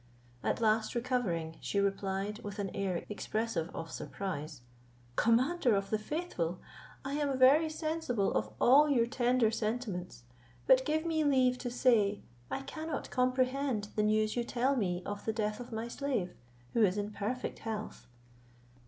At last recovering, she replied with an air expressive of surprise, "Commander of the faithful, I am very sensible of all your tender sentiments; but give me leave to say, I cannot comprehend the news you tell me of the death of my slave, who is in perfect health.